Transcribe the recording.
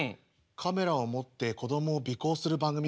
カメラを持って子供を尾行する番組。